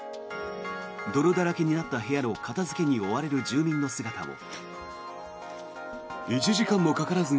泥だらけになった部屋の片付けに追われる住民の姿も。